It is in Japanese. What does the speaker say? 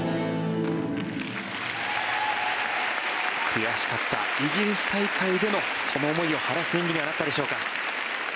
悔しかったイギリス大会でのその思いを晴らす演技にはなったでしょうか。